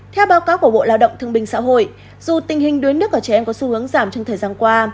theo báo cáo của bộ lao động thương binh xã hội dù tình hình đuối nước ở trẻ em có xu hướng giảm trong thời gian qua